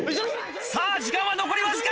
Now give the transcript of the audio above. さぁ時間は残りわずか。